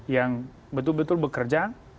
yang betul betul bekerja